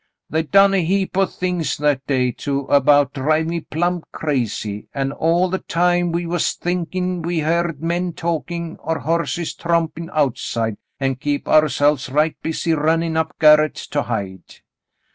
"They done a heap o' things that day to about drive me plumb crazy, an' all the time we was thinkin' we heered men talkin' or horses trompin' outside, an' kep' ourselves right busy runnin' up garret to hide.